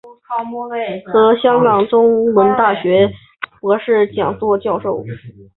目前担任哈佛大学教授和香港中文大学博文讲座教授。